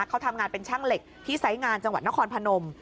เขาทำงานเป็นช่างเหล็กที่ไซส์งานจังหวัดนครพนม